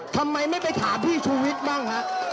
ทำไมไม่ไปถามพี่ชูวิทย์บ้างฮะ